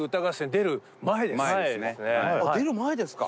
出る前ですか。